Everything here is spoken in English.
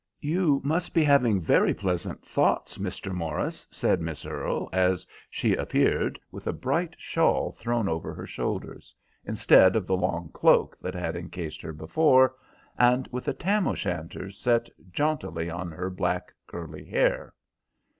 "You must be having very pleasant thoughts, Mr. Morris," said Miss Earle, as she appeared with a bright shawl thrown over her shoulders, instead of the long cloak that had encased her before, and with a Tam o' Shanter set jauntily on her black, curly hair.